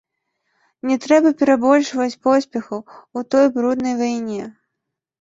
Не трэба перабольшваць поспехаў у той бруднай вайне.